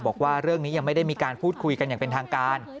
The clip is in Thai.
บอกว่าเรื่องนี้ยังไม่ได้มีการพูดคุยกันอย่างเป็นทางการ